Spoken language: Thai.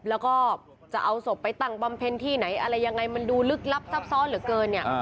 แล้วก็จะเอาศพไปตั้งบำเพ็ญที่ไหนอะไรยังไงมันดูลึกลับซับซ้อนเหลือเกินเนี่ย